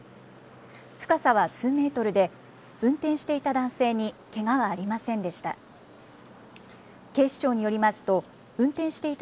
深さは数メートルで、運転していた男性にけがはありませんでした。